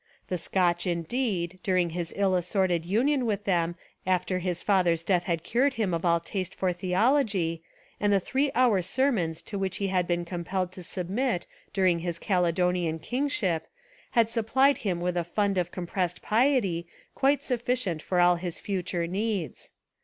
The Scotch, indeed, during his ill assorted union with them after his father's death had cured him of all taste for theology, and the three hour sermons to which he had been com pelled to submit during his Caledonian king ship had supplied him with a fund of com pressed piety quite sufficient for all his future 301 Essays and Literary Studies needs.